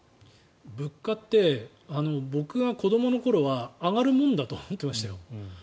物価って僕が子どもの頃は上がるもんだと思ってましたよ。